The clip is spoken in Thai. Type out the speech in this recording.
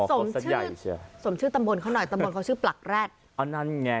สมชื่อสมชื่อตำบลเขาหน่อยตำบลเขาชื่อปลักแร็ดอันนั้นไง